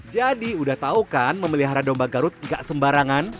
jadi udah tau kan memelihara domba garut nggak sembarangan